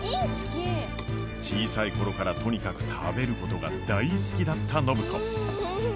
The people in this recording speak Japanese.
小さいころからとにかく食べることが大好きだった暢子。